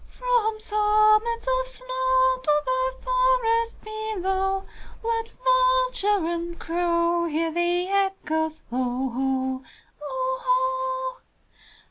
From summits of snow to the forest below, Let vulture and crow hear the echoes, O ho! (O ho!)